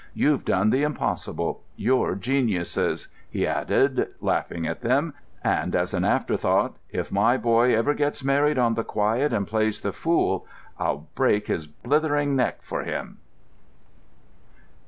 You've done the impossible; you're geniuses," he ended, laughing at them; and, as an afterthought, "If my boy ever gets married on the quiet and plays the fool, I'll break his blethering neck for him!"